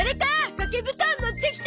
掛け布団持ってきて！